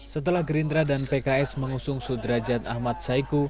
setelah gerindra dan pks mengusung sudrajat ahmad saiku